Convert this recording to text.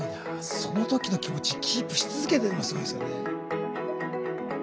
その時の気持ちキープし続けてるのがすごいですよね。